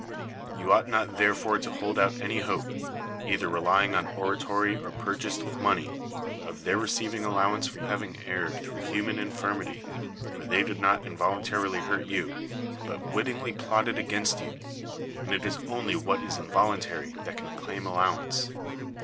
You ought not therefore to hold out any hope, 38 CLEON either relyii^? on oratory or purchased with money, of their receivin<j: aUowanee for having erred through human infirmity. For they did not involuntarily hurt you, but wittingly plot ted against 3'ou; and it is only what is invol untary that can claim allowance.